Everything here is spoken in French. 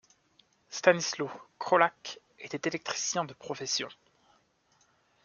Stanisław Królak était électricien de profession.